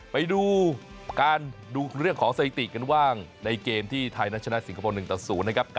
ไปดูการดูเรื่องของสถิติกันบ้างในเกมที่ไทยนั้นชนะสิงคโปร์๑ต่อ๐นะครับ